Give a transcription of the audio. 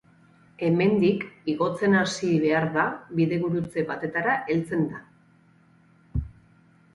Hemendik, igotzen hasi behar da, bidegurutze batetara heltzen da.